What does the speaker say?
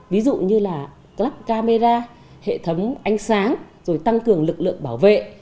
ví dụ như là lắp camera hệ thống ánh sáng rồi tăng cường lực lượng bảo vệ